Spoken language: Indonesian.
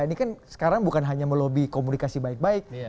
ini kan sekarang bukan hanya melobi komunikasi baik baik